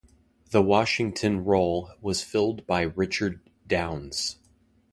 The Washington role was filled by Richard Downes.